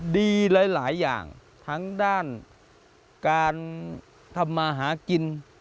ดีหลายอย่างทั้งด้านการทำมาหากินหลายอย่างดี